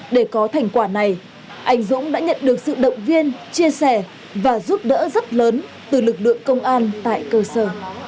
để có thành quả này anh dũng đã nhận được sự động viên chia sẻ và giúp đỡ rất lớn từ lực lượng công an tại cơ sở